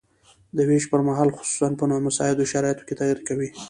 د ویش پرمهال خصوصاً په نامساعدو شرایطو کې تغیر کوي.